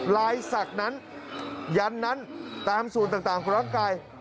ลายศักดิ์นั้นยันนั้นตามส่วนต่างของร่างกาย